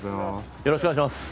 よろしくお願いします。